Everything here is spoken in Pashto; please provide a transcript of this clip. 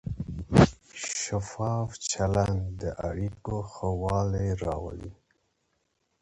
شفاف چلند د اړیکو ښه والی راولي.